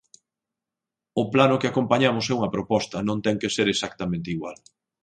O plano que acompañamos é unha proposta, non ter que ser exactamente igual.